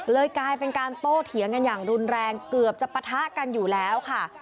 กลายเป็นการโต้เถียงกันอย่างรุนแรงเกือบจะปะทะกันอยู่แล้วค่ะ